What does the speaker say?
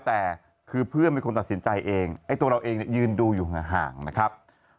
แต่คือเพื่อนเป็นคนตัดสินใจเองไอ้ตัวเราเองยืนดูอยู่ห่างนะครับ